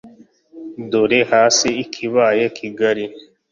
dore hasi ikibaya kigari